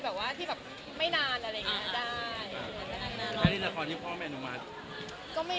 สมมติแต่นี่ละครที่พ่อก็ไม่อนุมัติ